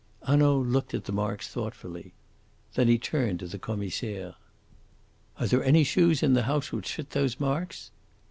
Hanaud looked at the marks thoughtfully. Then he turned to the Commissaire. "Are there any shoes in the house which fit those marks?"